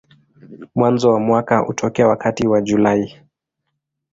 Mwanzo wa mwaka hutokea wakati wa Julai.